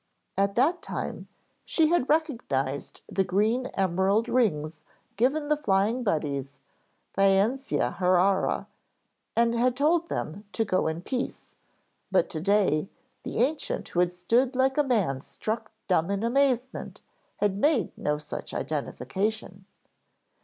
At that time she had recognized the green emerald rings given the Flying Buddies by Yncicea Haurea and had told them to 'go in peace' but today, the ancient who had stood like a man struck dumb in amazement, had made no such identification.